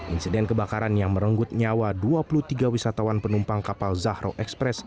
insiden kebakaran yang merenggut nyawa dua puluh tiga wisatawan penumpang kapal zahro express